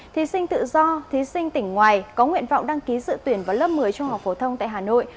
thí sinh tự do thí sinh tỉnh ngoài có nguyện vọng đăng ký dự tuyển vào lớp một mươi trung học phổ thông tại hà nội